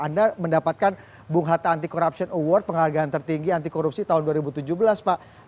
anda mendapatkan bung hatta anti corruption award penghargaan tertinggi anti korupsi tahun dua ribu tujuh belas pak